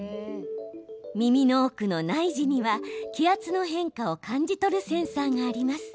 耳の奥の内耳には気圧の変化を感じ取るセンサーがあります。